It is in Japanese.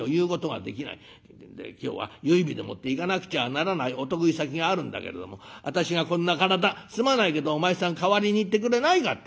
で今日は結い日でもって行かなくちゃならないお得意先があるんだけれども私がこんな体すまないけどお前さん代わりに行ってくれないかってえんでしょ。